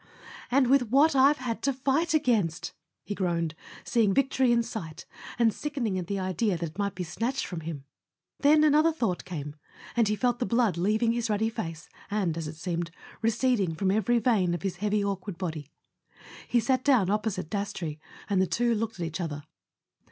.. "And with what I've had to fight against!" he groaned, seeing victory in sight, and sickening at the idea that it might be snatched from him. Then another thought came, and he felt the blood leaving his ruddy face and, as it seemed, receding from every vein of his heavy awkward body. He sat down opposite Dastrey, and the two looked at each other.